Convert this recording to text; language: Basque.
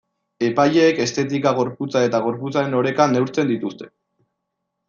Epaileek estetika, gorputza eta gorputzaren oreka neurtzen dituzte.